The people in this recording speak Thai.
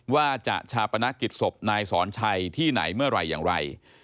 ว่าจะชาปนกิจศพนายสอนชัยที่ไหนเมื่อไหร่อย่างไร